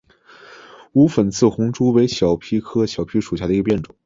无粉刺红珠为小檗科小檗属下的一个变种。